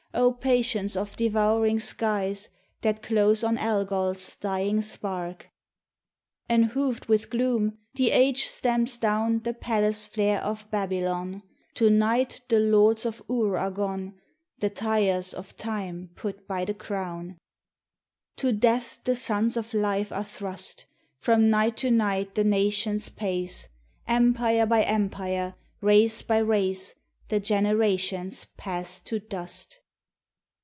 O patience of devouring skies That close on Algol's dying spark! Enhooved with gloom, the Age stamps down The palace flare of Babylon; To night the lords of Ur are gone; The Tyres of Time put by the crown. THE TESTIMONY OF THE SUNS. To Death the sons of Life are thrust; From night to night the nations pace ; Empire by empire, race by race, The generations pass to dust.